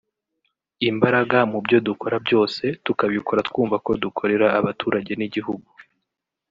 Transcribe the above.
imbaraga mu byo dukora byose tukabikora twumva ko dukorera abaturage n’igihugu